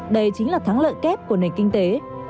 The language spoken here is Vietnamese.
đây chính là thắng lợi kép của nền kinh tế